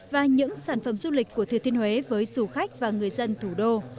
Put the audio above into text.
và những sản phẩm du lịch của thừa thiên huế với du khách và người dân thủ đô